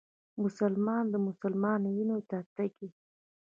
مسلمان د مسلمان وينو ته تږی